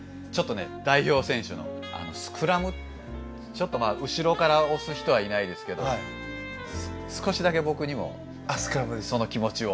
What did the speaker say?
ちょっとまあ後ろから押す人はいないですけど少しだけ僕にもその気持ちを。